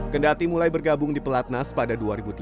kendati mulai bergabung di pelatnas pada dua ribu delapan belas